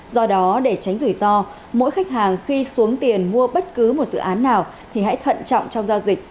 do đó để tránh rủi ro mỗi khách hàng khi xuống tiền mua bất cứ một dự án nào thì hãy thận trọng trong giao dịch